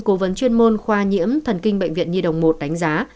cố vấn chuyên môn khoa nhiễm thần kinh bệnh viện nhi đồng một đánh giá